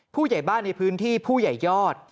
ผู้ใหญ่บ้านในพื้นที่ผู้ใหญ่ยอด